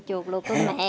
chuột luộc tôi mẹ